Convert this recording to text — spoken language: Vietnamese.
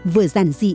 vừa giản dị